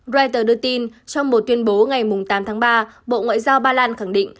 reuters đưa tin trong một tuyên bố ngày tám tháng ba bộ ngoại giao ba lan khẳng định